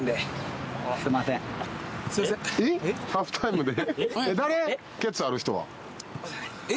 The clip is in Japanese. ハーフタイムで？